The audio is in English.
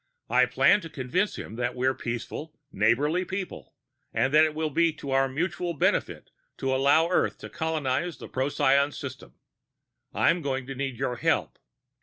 I plan to convince him that we're peaceful, neighborly people, and that it will be to our mutual benefit to allow Earth colonization in the Procyon system. "I'm going to need your help.